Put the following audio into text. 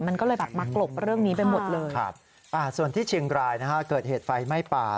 มันก็เลยแบบมากลบเรื่องนี้ไปหมดเลยส่วนที่เชียงรายนะฮะเกิดเหตุไฟไหม้ป่า